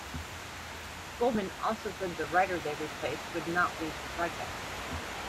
Goldman also said the writer they replaced would not leave the project.